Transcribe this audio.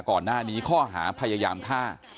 ก่อนหน้านี้ข้อหาพยายามฆ่า